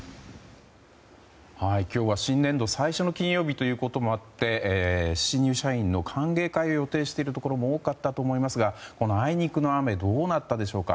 今日は、新年度最初の金曜日ということもあって新入社員の歓迎会を予定しているところも多かったと思いますがこのあいにくの雨どうなったでしょうか。